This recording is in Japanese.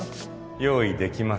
用意できますか？